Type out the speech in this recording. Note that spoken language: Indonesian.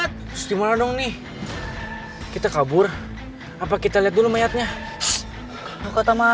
kalo ketahuan kita bisa masuk ke jarak